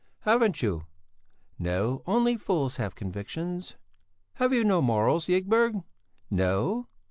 "Haven't you?" "No, only fools have convictions." "Have you no morals, Ygberg?" "No!